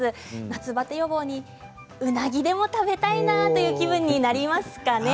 夏バテ予防に、うなぎでも食べたいなという気分になりますかね。